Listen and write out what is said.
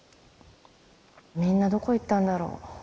みんなどこ行ったんだろう。